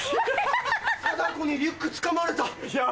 貞子にリュックつかまれた。